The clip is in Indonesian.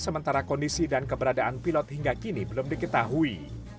sementara kondisi dan keberadaan pilot hingga kini belum diketahui